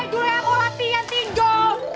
juleha mau latihan tidur